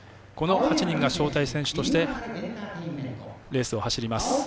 この８人が招待選手としてレースを走ります。